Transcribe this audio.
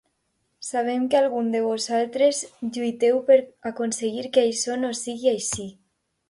Sabem que alguns de vosaltres lluiteu per aconseguir que això no sigui així.